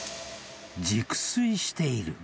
［熟睡している。